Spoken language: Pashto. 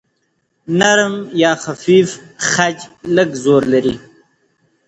نرم یا خفیف خج لږ زور لري.